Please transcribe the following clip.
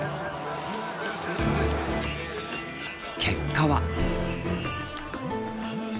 結果は。